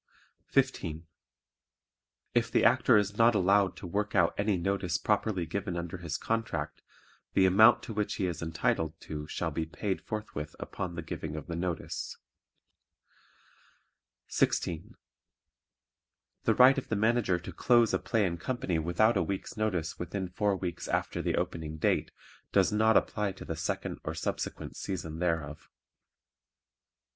15. If the Actor is not allowed to work out any notice properly given under his contract the amount to which he is entitled to shall be paid forthwith upon the giving of the notice. 16. The right of the Manager to close a play and company without a week's notice within four weeks after the opening date does not apply to the second or subsequent season thereof.